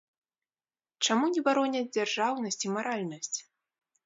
Чаму не бароняць дзяржаўнасць і маральнасць?